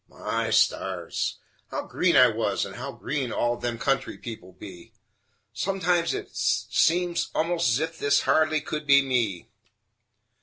My stars! How green I was, and how green all them country people be Sometimes it seems almost as if this hardly could be me.